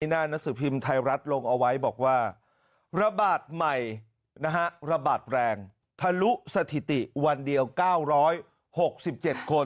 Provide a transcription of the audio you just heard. อิน่านัสธิพิมพ์ไทยรัฐลงเอาไว้บอกว่าระบาดใหม่นะฮะระบาดแรงทะลุสถิติวันเดียวเก้าร้อยหกสิบเจ็ดคน